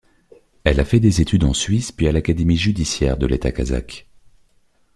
Elle a fait des études en Suisse puis à l'Académie judiciaire de l’État kazakh.